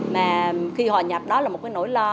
mà khi hòa nhập đó là một cái nỗi lo